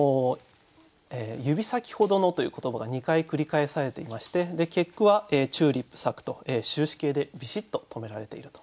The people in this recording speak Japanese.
「指先ほどの」という言葉が２回繰り返されていまして結句は「チューリップ咲く」と終止形でビシッと止められていると。